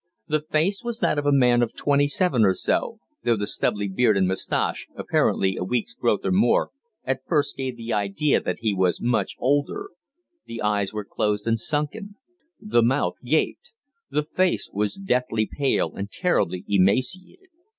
The face was that of a man of twenty seven or so, though the stubbly beard and moustache, apparently a week's growth or more, at first gave the idea that he was much older. The eyes were closed and sunken. The mouth gaped. The face was deathly pale and terribly emaciated.